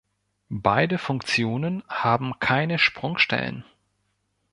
Beide Funktionen haben keine Sprungstellen.